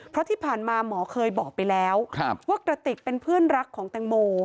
เพราะที่ผ่านมาหมอเคยบอกไปแล้วว่ากระติกเป็นเพื่อนรักของแตงโม